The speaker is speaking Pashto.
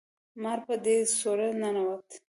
مار په دې سوړه ننوت